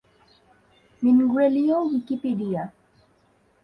মিনগ্রেলীয় Wikipedia